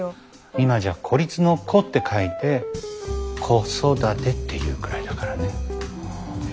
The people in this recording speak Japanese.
今じゃ孤立の孤って書いて孤育てっていうくらいだからね。